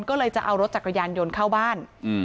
ก็เลยจะเอารถจักรยานยนต์เข้าบ้าน